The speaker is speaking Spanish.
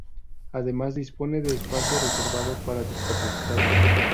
Además, dispone de espacio reservado para discapacitados.